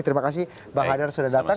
terima kasih bang hadar sudah datang